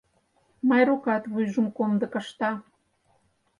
— Майрукат вуйжым комдык ышта.